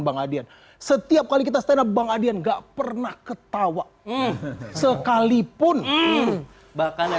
bang adrian setiap kali kita stand up bang adrian nggak pernah ketawa eh sekalipun bahkan